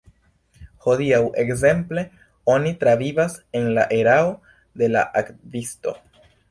Hodiaŭ, ekzemple, oni travivas en la erao de la Akvisto.